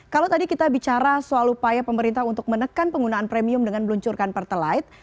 kalau tadi kita bicara soal upaya pemerintah untuk menekan penggunaan premium dengan meluncurkan pertalite